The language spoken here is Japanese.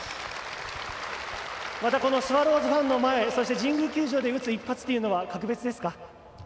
またこのスワローズファンの前そして、神宮球場で打つのは格別ですか？